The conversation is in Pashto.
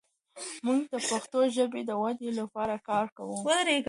موږ د پښتو ژبې د ودې لپاره کار کوو.